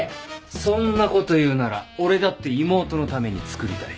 そんなこと言うなら俺だって妹のために作りたい。